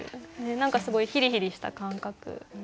何かすごいヒリヒリした感覚。